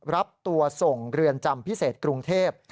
รับตัวส่งเรือนจำพิเศษกรุงเทพ